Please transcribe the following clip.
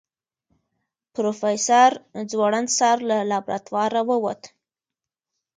پروفيسر ځوړند سر له لابراتواره ووت.